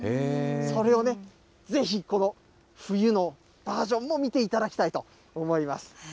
それをぜひ、この冬のバージョンも見ていただきたいと思います。